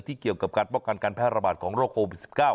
ที่เกี่ยวกับการปกกันการแพร่ระบาดของโรคโอภิสต์๑๙